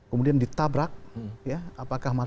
kemudian ditabrak apakah mati